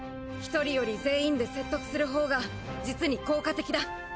１人より全員で説得するほうが実に効果的だ。